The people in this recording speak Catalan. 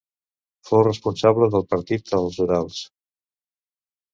Fou responsable del partit als Urals.